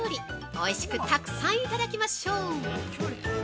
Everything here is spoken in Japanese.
おいしくたくさんいただきましょう！